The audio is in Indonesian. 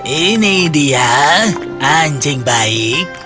ini dia anjing baik